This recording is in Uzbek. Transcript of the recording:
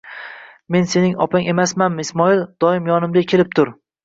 Men sening opang emasmanmi, Ismoil?! Doim yonimga kelib tur.